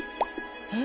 え？